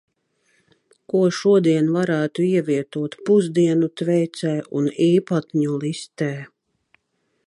Ko šodien varētu ievietot Pusdienu tveicē un Īpatņu listē.